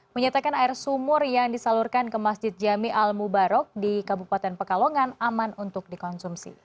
menyatakan air sumur yang disalurkan ke masjid jami al mubarok di kabupaten pekalongan aman untuk dikonsumsi